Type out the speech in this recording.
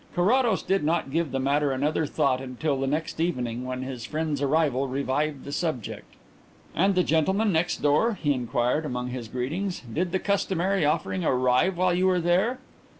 Carrados did not give the matter another thought until the next evening when his friend's arrival revived the subject. "And the gentleman next door?" he inquired among his greetings. "Did the customary offering arrive while you were there?"